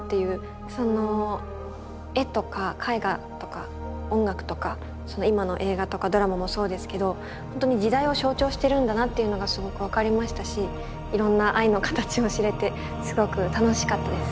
絵とか絵画とか音楽とか今の映画とかドラマもそうですけどほんとに時代を象徴してるんだなっていうのがすごく分かりましたしいろんな愛の形を知れてすごく楽しかったです。